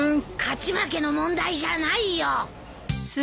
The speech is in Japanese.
勝ち負けの問題じゃないよ。